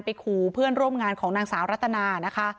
ขู่เพื่อนร่วมงานของนางสาวรัตนานะคะ